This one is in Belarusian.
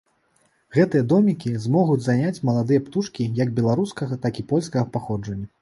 Гэтыя домікі змогуць заняць маладыя птушкі як беларускага, так і польскага паходжання.